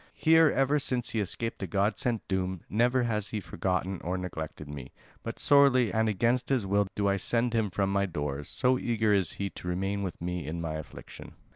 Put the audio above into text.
Here, ever since he escaped the god sent doom, never has he forgotten or neglected me; but sorely and against his will do I send him from my doors, so eager is he to remain with me in my affliction."